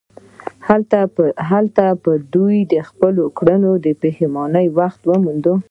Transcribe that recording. هلته به دوی د خپلو کړو د پښیمانۍ وخت موند.